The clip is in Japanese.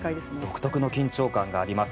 独特の緊張感があります。